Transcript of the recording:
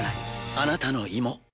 あなたの胃も。